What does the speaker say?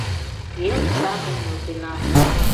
Эл чапым нӧлтена!